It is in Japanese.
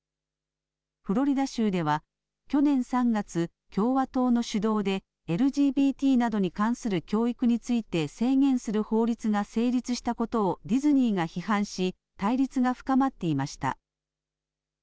フロリダ州では去年３月、共和党の主導でＬＧＢＴなどに関する教育について制限する法律が成立したことをディズニーが批判し対立が深まっていました。